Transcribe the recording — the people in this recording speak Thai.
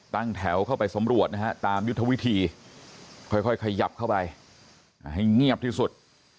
ตั้งแถวเข้าไปสำรวจนะฮะตามยุทธวิธีค่อยขยับเข้าไปให้เงียบที่สุด